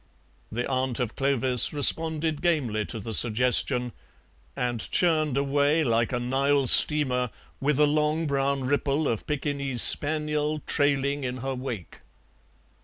The aunt of Clovis responded gamely to the suggestion, and churned away like a Nile steamer, with a long brown ripple of Pekingese spaniel trailing in her wake.